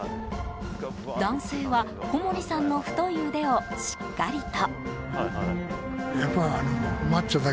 男性は、小森さんの太い腕をしっかりと。